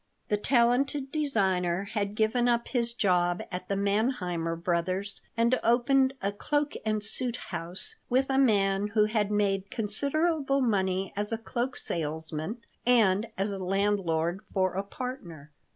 The talented designer had given up his job at the Manheimer Brothers' and opened a cloak and suit house with a man who had made considerable money as a cloak salesman, and as a landlord for a partner.